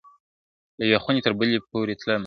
له یوې خوني تر بلي پوري تلمه `